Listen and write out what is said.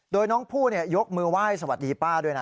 โดยน้องผู้ยกมือไหว้สวัสดีป้าด้วยนะ